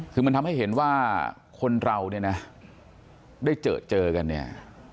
คือมันทำให้เห็นว่าคนเราเนี่ยนะได้เจอเจอกันเนี่ย